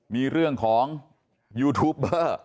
มีเรื่องของยูทูปเบอร์